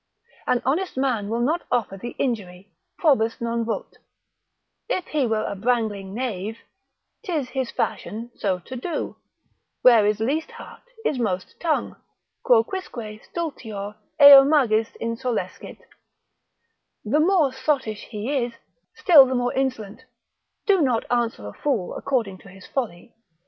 An honest man will not offer thee injury, probus non vult; if he were a brangling knave, 'tis his fashion so to do; where is least heart is most tongue; quo quisque stultior, eo magis insolescit, the more sottish he is, still the more insolent: Do not answer a fool according to his folly.